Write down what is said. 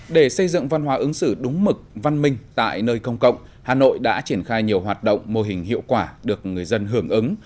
để xây dựng văn hóa ứng xử đúng mực văn minh tại nơi công cộng hà nội đã triển khai nhiều hoạt động mô hình hiệu quả được người dân hưởng ứng